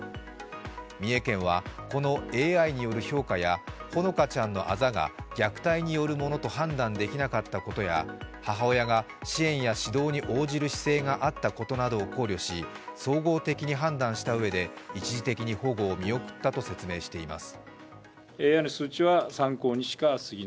三重県はこのＡＩによる評価やほのかちゃんのあざが虐待によるものと判断できなかったことや母親が支援や指導に応じる姿勢があったことなどを考慮し総合的に判断したうえで一時的に保護を見送ったと説明しています。